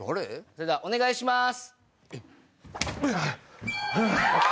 それではお願いします。